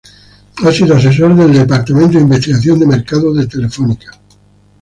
Ha sido asesor del departamento de investigación de mercados de Telefónica.